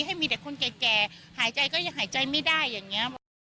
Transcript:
ให้มีแต่คนแก่หายใจก็ยังหายใจไม่ได้อย่างนี้